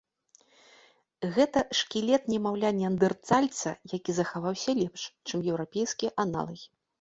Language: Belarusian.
Гэта шкілет немаўля-неандэртальца, які захаваўся лепш, чым еўрапейскія аналагі.